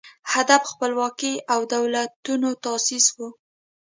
هدف خپلواکي او دولتونو تاسیس و